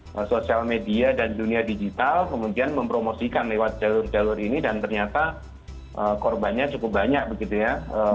nah sosial media dan dunia digital kemudian mempromosikan lewat jalur jalur ini dan ternyata korbannya cukup banyak begitu ya